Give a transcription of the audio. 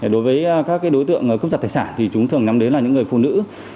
đối với các đối tượng cướp giật tài sản thì chúng thường nhắm đến là những người phụ nữ